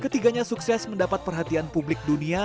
tiga nya sukses mendapat perhatian publik dunia